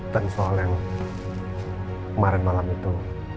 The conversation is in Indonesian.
dan soal yang kemarin malam itu